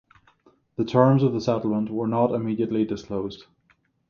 The terms of the settlement were not immediately disclosed.